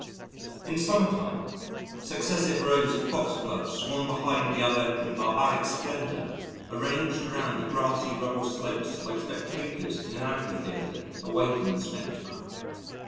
In summer time, successive rows of Foxgloves one behind the other in barbaric splendour are ranged around the grassy rubble slopes like spectators in an amphitheatre awaiting the spectacle.